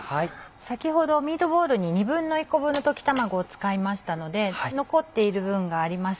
先ほどミートボールに１／２個分の溶き卵を使いましたので残っている分があります。